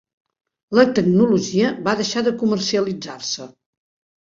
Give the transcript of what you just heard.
La tecnologia va deixar de comercialitzar-se.